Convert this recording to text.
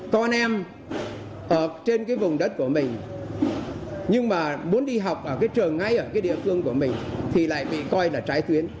con em ở trên cái vùng đất của mình nhưng mà muốn đi học ở cái trường ngay ở cái địa phương của mình thì lại bị coi là trái tuyến